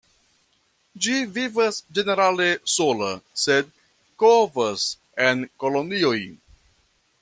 Ĝi vivas ĝenerale sola, sed kovas en kolonioj.